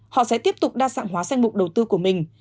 họ sẽ tiếp tục đa dạng hóa danh mục đầu tư của mình